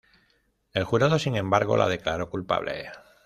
El jurado, sin embargo, la declaró culpable.